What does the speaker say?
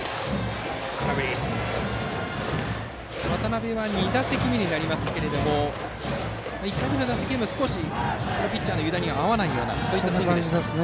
渡邉は２打席目になりますが１回目の打席でもピッチャーの湯田には合わないようなスイングでした。